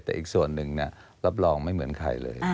แต่อีกส่วนหนึ่งรับรองไม่เหมือนใครเลย